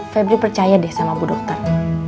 febri percaya deh sama bu dokter